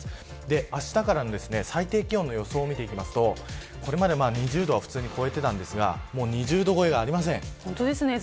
あしたから最低気温の予想を見ていきますとこれまで２０度は普通に超えていたんですが２０度超えはありません。